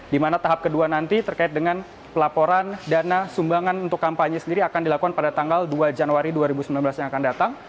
di mana tahap kedua nanti terkait dengan pelaporan dana sumbangan untuk kampanye sendiri akan dilakukan pada tanggal dua januari dua ribu sembilan belas yang akan datang